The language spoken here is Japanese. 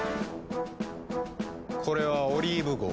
これは「オリーブ号」。